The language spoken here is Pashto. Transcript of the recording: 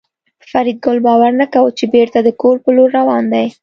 فریدګل باور نه کاوه چې بېرته د کور په لور روان دی